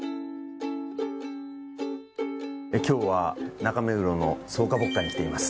今日は中目黒の草花木果に来ています。